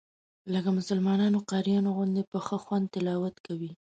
لکه مسلمانانو قاریانو غوندې په ښه خوند تلاوت کوي.